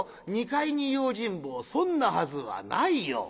２階に用心棒そんなはずはないよ！